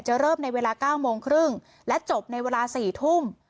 จะเริ่มในเวลาเก้าโมงครึ่งและจบในเวลาสี่ทุ่ม